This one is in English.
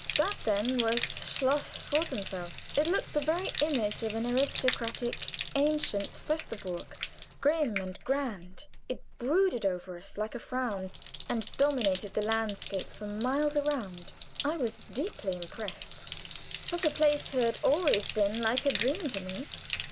That, then, was Schloss Rothenfels. It looked the very image of an aristocratic, ancient feste burg, grim and grand; it brooded over us like a frown, and dominated the landscape for miles around. I was deeply impressed; such a place had always been like a dream to me.